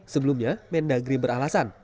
sebelumnya mendagri beralasan